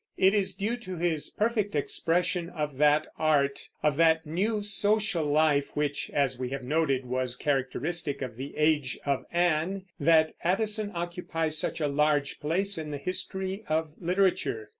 It is due to his perfect expression of that art, of that new social life which, as we have noted, was characteristic of the Age of Anne, that Addison occupies such a large place in the history of literature.